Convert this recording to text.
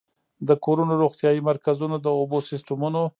د کورونو، روغتيايي مرکزونو، د اوبو سيستمونو